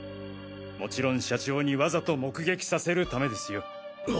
もちろん社長にわざと目撃させるためですよ。